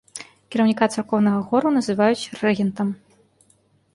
Кіраўніка царкоўнага хору называюць рэгентам.